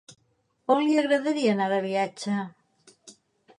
On li agradaria anar de viatge?